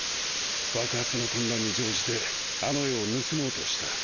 爆発の混乱に乗じてあの絵を盗もうとした。